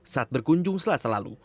saat berkunjung selasa lalu